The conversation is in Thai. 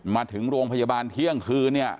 มาถึงโรงพยาบาลเที่ยงคืนเนี่ย